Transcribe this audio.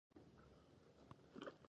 لوی رود.